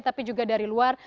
tapi juga dari luar